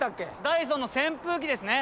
ダイソンの扇風機ですね。